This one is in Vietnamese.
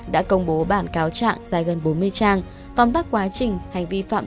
đã công bố bản cáo trạng dài gần bốn mươi trang tóm tắt quá trình hành vi phạm